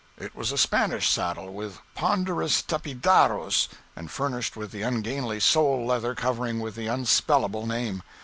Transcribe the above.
It was a Spanish saddle, with ponderous 'tapidaros', and furnished with the ungainly sole leather covering with the unspellable name.